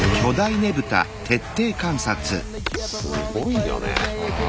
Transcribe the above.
すごいよね。